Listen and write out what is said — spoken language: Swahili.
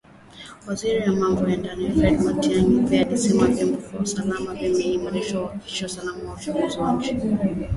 Waziri wa Mambo ya Ndani Fred Matiang’i pia amesema vyombo vya usalama vimeimarishwa kuhakikisha usalama katika uchaguzi na nchi